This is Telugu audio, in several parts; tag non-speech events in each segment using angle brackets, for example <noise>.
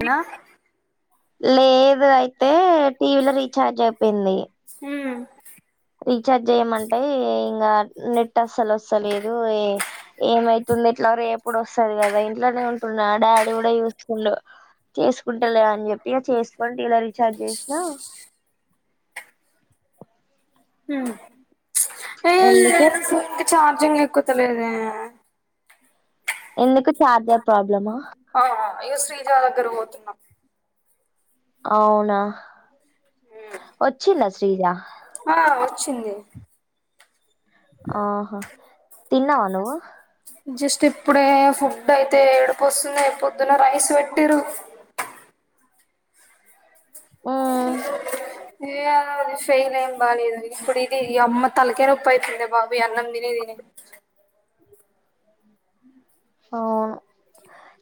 అనా లేదు అయితే టీవీలో రీఛార్జ్ అయిపోయింది ఉ రీచార్జ్ చేయమంటే ఇంకా నెట్ అసలు వస్తలేదు ఏ ఏమైతుంది ఇట్లా ఎప్పుడు వస్తుది కదా ఇంట్లోనే డాడీ కూడా చూసుకు చకు కుంటలే అని చెప్పి ఇక చేసుకోండి ఇలా రీఛార్జ్ చేసినా హ అందుకే చార్జంగ్ ఎక్కుతలేదే ఎందుకు చార్జర్ ప్రాబ్లమా ఆ అయ్యో శ్రీజా దగ్గర పోతున్నాం అవునా వచ్చిందా శ్రీజ అతి జ ఆహా తిన్నావా నువ్వు జస్ట్ ఇప్పుడే ఫుడ్ అయితే ఏడుపు వస్తుంది పొద్దున్న రైస్ పెట్టిరు ఆ ఏయ అది ఫైల్ ఏం బాీ ఇద ఇప్పుడు ఇది ఈ అమ్ తలకే రప్ప అయిందంది బాబు అన్నంద దిన వి అవును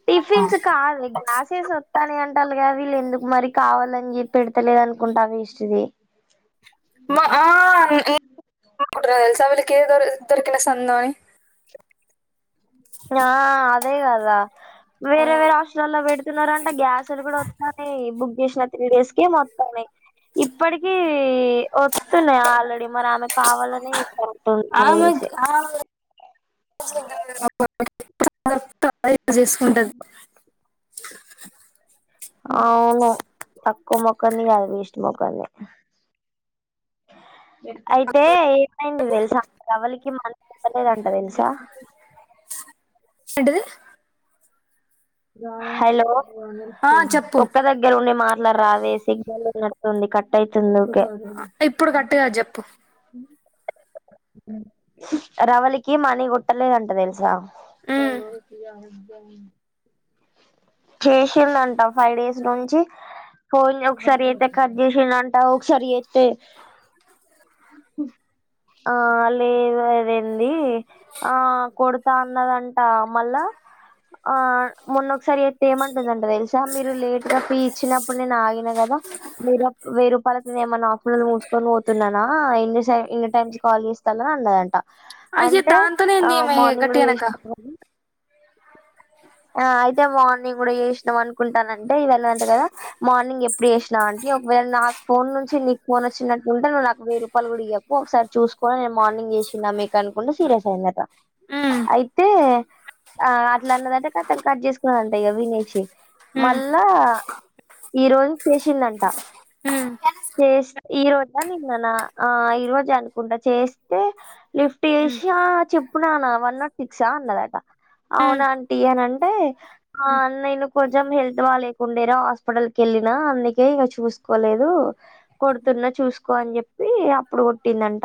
టిఫిన్స్ కాాలి గ్లాసెస్ వత్తానే అంట అంటలుగా వీళ్ళు ఎందుకు మరి కావాలని చెప్పి పెడతలేదు అనుకుంటా ఇస్ది మా <unintelligible> ఏదో ఇద్దొరికనా సంతా ఆ అదే కదా ఆ వేరే వేరే హాస్టటల్లో పెడుతున్నారంటే గ్యాస్లు కూడా వస్తు న బుక్ చేసిన త్రీ డేస్కి మొత్తంన్నాయి ఇప్పటికీ వస్తున్నాయి ఆల్రెడీ మరి ఆమె కావాలని ఆమె తెలిసి ఆమె చేసుకుంటది అవును తక్కువ మొక్కని వేస్ట్ మొక్కంది అ అయితే ఏమైంది తెలుసా అ రవలికి మన పప్పలేదంట తెలుసా ఇంటిది హలో ఆ చెప్పు ఒక్క దగ్గర ఉండి మాటలు రావే సిగ్నల్డుతుంది క ఇప్పుడు కట్టుగా చెప్పు రవలికి మనీ కొట్టలే ఉంటది తెల్సా హ్మ్ <unintelligible> చేసిండ అంటా ఫైవ్ డేస్ నుంచి ఫోన్ ఒకసారి అయితే కట్ చేసి అంట ఒకసారి అయితే అ ఆ లేదు అదడి ఆ కొడుతా అన్నదంట మళ్ళా ఆ మొన్న ఒకసారి ఏమంటుందంట తెలుసా మీరు లేట్ గా ఫీ ఇచ్చినప్పుడు నేను ఆగిన కదా మీరు వెయ్యిూపాయల త మన్న హాస్పిట ముూంచుకొని పోతున్నానా ఎన్నిై ఎన్ని టైమ్ కాల్ చేస్తాని అన్నదంట అయ్యో అంటే దాంతోనే ఆ అయింది ఈమె మార్నింగ్ లో గట్టిగనక వస ఆ అయితే మార్నింగ్ కూడా చేసినాం అనుకుంటానంటే ఇ వెళ అంతే కదా మార్నింగ్ ఎప్పుడు చేసినాం అంట ఒకవేళ నాకు ఫోన్ నుంచి నీకు ఫోన్ వచ్చినట్టుంటే నవ్వు నాకు వెయ్య రూపాయలు కూడా ఇవ్వకు ఒకసారి చూసుకోని నేను మార్నింగ్ మీకు అనుకుంటే సీరియస్ అయిందట హ్మ్ అయితే అట్లాన్నదంటే తం కట్ చేసుకుాలంటే ఇ వినేచి హ్మ్ మళ్ళా ఈరోజ్ చేసిందంట హ్మ్ చేసి ఈ రోజా నిన్నన్న ఆ ఈ రోజ అనుకుంటడా చేస్తే లిఫ్ట్ హ్మ్ చేసి ఆ చెప్పునా వన్ నాట్ సిక్సా అన్నదట హ్మ్ అవునా అని అంటే ఆ హ్మ్ నేను కొంచెం హెల్త్ బ లేకుండేరా హాస్పిటల్ క వెళ్ళిన అందుకే గా చూసుకోలేదు కొడుతున్నా చూసుకో అని చెప్పి అప్పుడు కొట్టిందంట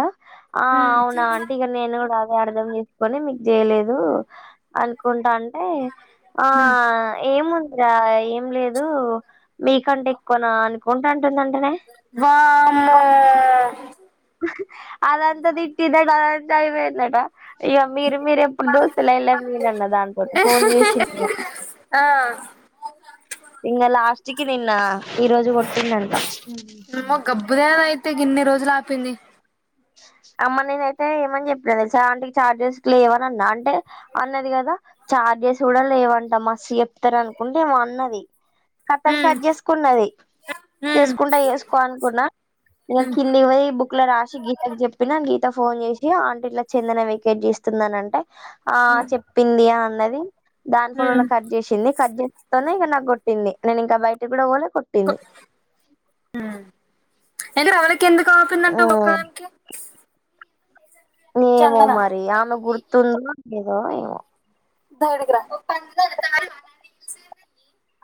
ఆ హ్మ్ అవునా అంటీగానేను కూడా అర్ధం చేసుకొని మీకు చేయలేదు అనుకుంటా అంటే ఆ హ్మ్ ఏము మీరా ఏం లేదు మీకంటే ఎక్కువన అనుకుంటాంటుందింటేనే వామ్ అదంతా తిట్టిందట అదంతా అయిపోయిందట ఇ మీరు మీరు ఎప్పుడు దోస్తులు వెళ మీన్న దాంతోటి ఫోన్ చేసిందట ఆ ఇంకా అస్ట్కి నిన్న ఈ రోజు కొట్టిందంట నుమ్మో గబ్బుదేనా అయితే కన్ని రోజులు ఆపింది అమ్మ నేనయితే ఏమని చెప్పిననుస అంటికి ఛార్జెస్ లేవని అన్నా అంటే అన్నది కదా చార్జెస్ కూడా లేవంట మస్తు చెప్తార అనుకుంటే ఏమ అన్నది కతం హ్మ్ కట్ చేసుకున్నది హ్మ్ చేసుకుంటా వేసుకో అనుకున్నా కిందివ బుక్ల రాసి గ చెప్పిన గీత ఫోన్ చేసి అంటీ ఇట్లా చెందన వెకేట్ చేస్తుందని అంటే ఆ చెప్పింది అన్నది దాని ఫల హ్మ్ కట్ చేసింది కట్ చేస్తతోనే ఇక నాకు కొట్టింది నేను ఇంకా బయటకి కూడా ఓలే కొట్టింది అ రాళ్ళకి ఎందుకు ఆపిందంట ఉమ్ ఒకదనికి ఏమో మరి ఆమె గుర్తుందో లేదో ఏమో దగ్గరికి రా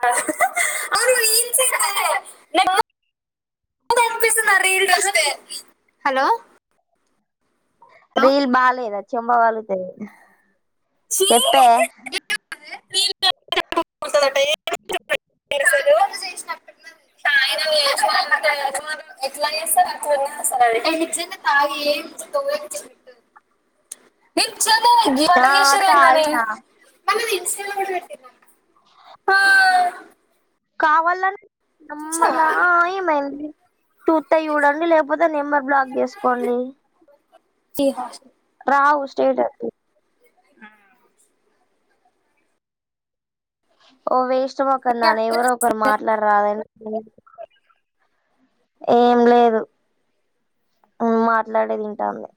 అ <unintelligible> హలో రీల్ బాలేదా చెంబ పలుగుతది ట్టే <unintelligible> చయ <unintelligible> ఎట్లా చేస్తారు అట్లాన్న తాగి ఏ తో నిచ్చన్న ఆ మటగేశ్వరి ఎందనే తాగిన పెటి కావాలని మమ్మల చూసావా ఏమైంది టూ తే చూడండి లేకపోతే నెంబర్ బ్లాక్ జేసుకోండి జహా <inaudible> ఆగు స్టేటస్ ఆ ఓ వేస్ట్ ఈ మొక్కందాన ఎవరు అక్కనే ఒకరు మాట్లాడరాదురి ఏం లేదు మాట్లాడే ట్లాడే తింటాంది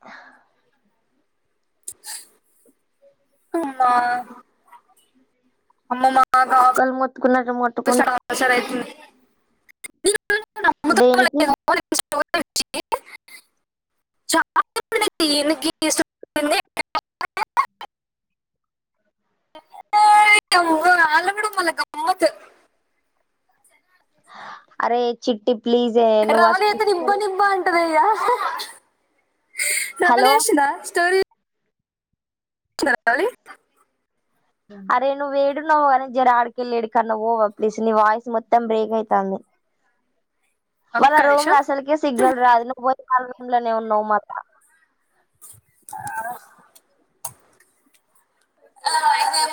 అమ్మా అమ్మ మాకు కుక్కలు మొత్తుకున్నట్టు మొట్టుకుంట <unintelligible> అయితుంది దేనికి చచ్చ <inaudible> చ తీన్సు <inaudible> ఎ ఆల్ గూడా మళ్ళ గమ్మత్తు అరే చిట్టి ప్లీజ్ నువ్వు రవళి అయితే నిబ్బ అసలు నిబ్బా అంటదయ్యా రవళి హలో రాసిందా స్టోరీ వచ్చిందా రవళి అరే నువ్వు ఏడున్నావ్ గాని జర ఆడికెళ్ళి ఏడి కాన్నా పోవా ప్లీజ్ నీ వాయిస్ మొత్తం బ్రేక్ అయితంది అ <inaudible> వాళ్ళ రూమ్ లో అసల్ కే సిగ్నల్ రాదు నువ్వు పోయి వాళ్ళ రూమ్ లనే ఉన్నావు మళ్ళ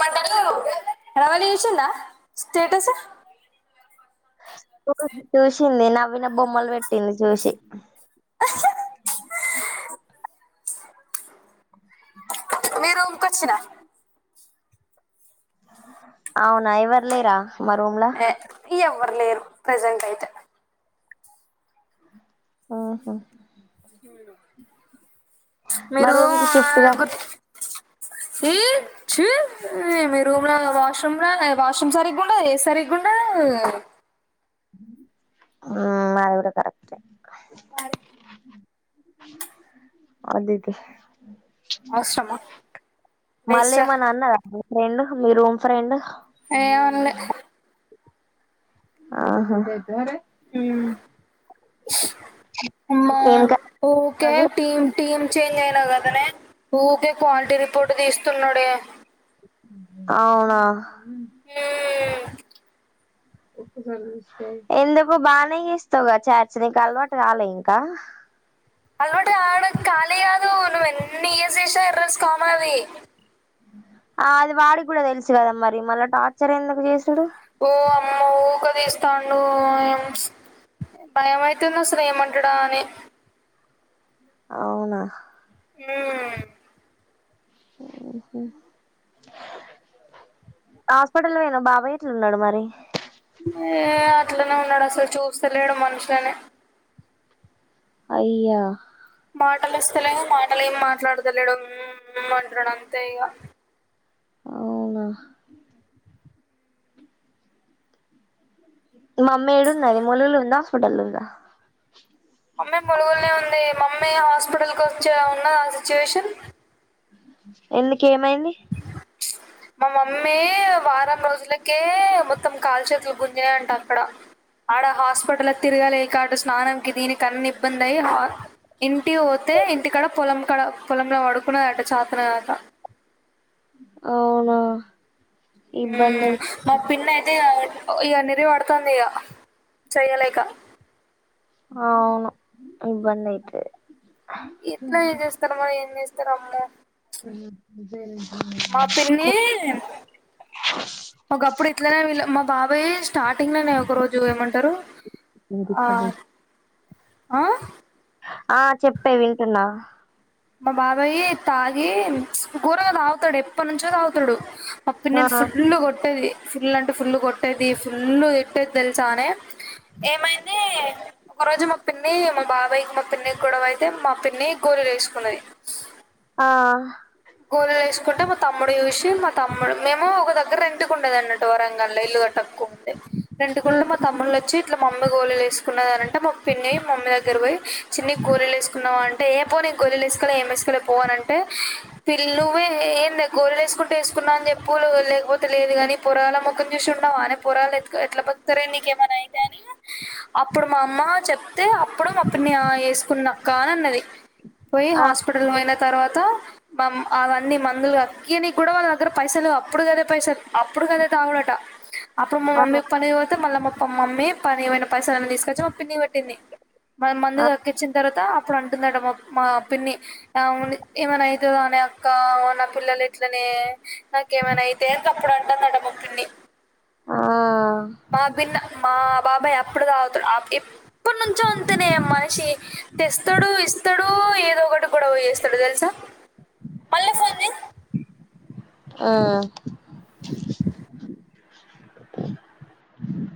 పంట <inaudible> రవళి చూసిందా స్టేటస్ చూసింది నవ్విన బొమ్మలు పెట్టింది చూసి <inaudible> మీ రూమ్ కొచ్చినా అవునా ఎవర్లేరా మా రూమ్లా ఏ, ఎవరు లేరు ప్రజెంట్ అయితే హుహు మీ మా రూమ్ రూము కి షిఫ్ట్ గా గుర్తు ఈ చీ మీ రూమ్ లో వాష్రూమ్ లో వాష్రూమ్ సరిగుండదు ఏది సరిగుండదు ఆ <inaudible> మ్ మాది గూడా కరెక్టే అది ఇదే అవసరమా మళ్ళ వేస్ట్ ఏమన్న అన్నదా ఫ్రెండ్ మీ రూమ్ ఫ్రెండ్ ఏమనలే ఆహా మ్ అమ్మా ఏం కర్రీ ఊకే ఈరోజు టీం టీం చేంజ్ గదనే ఊకే క్వాలిటీ రిపోర్ట్ తీస్తున్నడే అవునా <inaudible> ఎందుకు బానే చేస్తావు గ చాట్స్ నీకు అలవాటు కాలే ఇంకా అలవాటు కావడం ఖాళీ గాదు నువ్వు ఎన్ని ఇయర్స్ చేసినా ఎర్రర్స్ కామనవి ఆ అది వాడికి గూడా తెలుసు గదా మరి మళ్ళా టార్చర్ ఎందుకు చేసుడు ఓ అమ్మో ఊక తీస్తాండు భయమైతుంది అసలు ఏమంటడా అని అవునా మ్ హు హు హాస్పెటల్ పోయినా బాబాయ్ ఎట్లున్నడు మరి ఏ అట్లనే ఉన్నడు అసలు చూస్తలేడు మనుషులనే అయ్యా మాటలు వస్తేలేవు మాటలు ఏమి మాట్లాడతలేడు మ్ మ్ అంటున్నడు అంతే ఇక అవునా మా అమ్మయి ఏడు ఉన్నది ములుగులు ఉందా హాస్పిటల్ ఉందా మమ్మీ మొలుగుోలనే ఉంది మమ్మీ హాస్పిటల్కి వచ్చే ఉన్నది ఆ సిచ్యువేషన్ ఎందుకేమైంది మా మమ్మీ వారం రోజులకే మొత్తం కాలు చేతులు గుంజనే అంటాారు అక్కడ ఆడ హాస్పిటల్ తిరగాలే కాడు స్నానం క దీని కన్న ఇబ్బంది అయి ఇంటి పోతే ఇంటి కడ పొలం కడ పొలంలో పడుకున్నదట చాతన కాక అవునా ఇబ్బంది అయి మా పన్న అయితే ఇవన్నర పడుతుంది ఇక చెయ్యలేక అవును ఇబ్బంది అయితే ఎట్లా ఏం చేస్తారమ్మా ఏం చేస్తార అమ్మో మా పిన్ని సేర ఒకప్పుడు ఇట్లానే వీళ్ళ మా బాబాయ స్టార్టింగ్ లోనే ఒక రోజు ఏమంటారు ఆ మీదికుోడి ఆ ఆ చెప్పే వింటున్నా మా బాబాయ తాగి కూూరగా తాగుతాడు ఎప్పటి నుంచో తాగుతాడు అప్పుడు ఆ నేను ఫుల్ కొట్టేది ఫుల్ అంటే ఫుల్ కొట్టేది ఫుల్ తట్టేది తెలిసానే ఏమైతే ఒక రోజు మా పిన్ని మా బాబాయయికి మా పిన్ని కూడాడ అయితే మా పిన్ని గోళ వేసుకు సన్నాై ఆ గోళలు వేసుకుంటే మా తమ్ముడు చూసి మా తమ్ముడు మేము ఒక దగ్గర రెంంటికుండేది అన్నట్టు వరంగన్ంలో ఇల్లు కట్ తక్కువ ఉంటంది ఆ రంటుకుంటే మా తమ్ముళ్లు వచ్చి ఇట్లా మమ్మీ గోళలు వేసుకున్నద అని అంట మా పిన్న మామ్మీ దగ్గర పోయి చిన్న గోలీలు వేసుకున్నావా అంటే ఏ పోని గోలీలు వేసుకోలే ఏం వేసుకోలే పోవ అంటే పిల్లు నువ్వే ఏం గోలు వేసుకుంటే వేసుకున్నా అని చెప్పు లేకపోతే లేదు ని పొరాల మొఖం చూసి వానే పొరా ఎట్లా బగత నక మనాయి త అప్పుడు మా అమ్మ చెప్తే అప్పుడు అప్పుని వేసుకున్నక్క అని అన్నది పోయి హాస్పిటల్ పోయిన తర్వాత మ అవన్నీ మందులు అని కూడా వాళ్ళ దగ్గర పైసలు అప్పుడు క అదే పైసలు అప్పుడు క అదే తాగుడట అప్పుడు మా ఆ మమ్మీకి పని పోతే మళ్ళీ మా మమ్మీ పని ఏమైన పైసలు తీసుకొచ్చి మా పిన్ని మ మందు ఆ అక్కెచ్చిన తర అప్పుడు అంటుందడ మా పిన్ని ఏమనాయితే ఇ అనే అక్క నా పిల్లలు ఇట్లనే నాకేమైనా అయితే అప్పుడు అంటాన్నడమ పిని మాబ మా బాబాయ్ అప్పుడు కా అతాడు ఎప్పటి నుంచో అంతనే మనిషి తెస్తాడు ఇస్తాడు ఏదో ఒకటి కూడా పోస్తాడు తెలుసా మళ ఫో ఆ ఆ <inaudible> <inaudible>